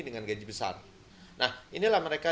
dengan gaji besar nah inilah mereka